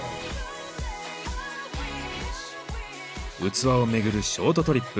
器をめぐるショートトリップ。